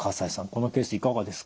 このケースいかがですか？